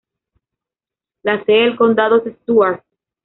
La sede del condado es Stuart.